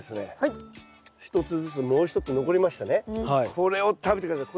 これを食べて下さいこれ。